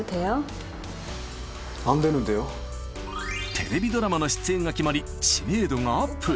テレビドラマの出演が決まり、知名度がアップ。